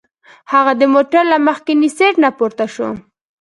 هغه د موټر له مخکیني سیټ نه پورته شو.